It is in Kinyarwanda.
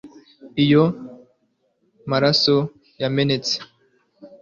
iyo maraso yamenetse